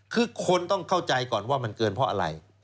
คือคนต้องเข้าใจก่อนว่ามันเกินเพราะอะไร